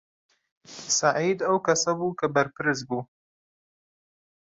سەعید ئەو کەسە بوو کە بەرپرس بوو.